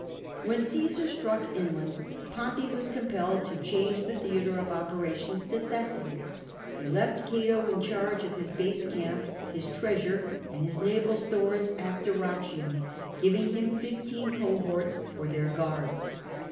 When Csesar struck inland, and Pompey was compelled to change the theatre of operations to Thessaly, he left Cato in charge of his base camp, his treasure, and his naval stores at Dyrrhachium, giving him fifteen cohorts for their guard.